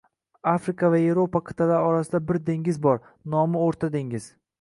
Afrika va Yevropa qitʼalari orasida bir dengiz bor, nomi oʻrta dengiz